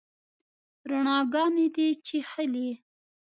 روڼاګاني دي چیښلې